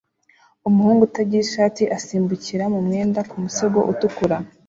Umuhungu utagira ishati asimbukira mu mwenda ku musego utukura